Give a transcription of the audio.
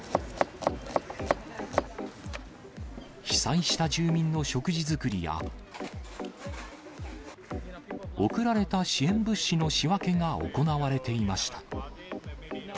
被災した住民の食事作りや、送られた支援物資の仕分けが行われていました。